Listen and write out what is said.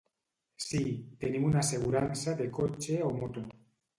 Sí, tenim una assegurança de cotxe o moto.